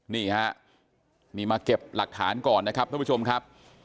นี่ฮะนี่มาเก็บหลักฐานก่อนนะครับท่านผู้ชมครับ